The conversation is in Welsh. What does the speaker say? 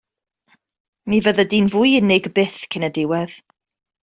Mi fyddi di'n fwy unig byth cyn y diwedd.